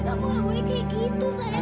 kamu gak boleh kayak gitu sayang